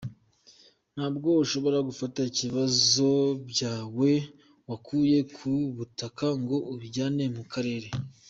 Ntabwo ushobora gufata ibibazo byawe wakuye ku butaka ngo ubijyane mu kirere.